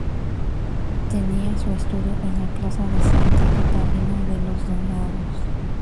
Tenía su estudio en la Plaza de Santa Catalina de los Donados.